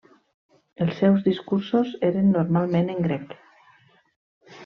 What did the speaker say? Els seus discursos eren normalment en grec.